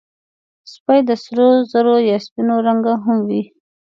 سپي د سرو زرو یا سپینو رنګه هم وي.